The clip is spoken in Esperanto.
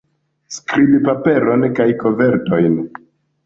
Skribpaperon kaj kovertojn.